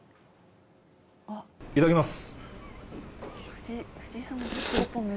いただきます。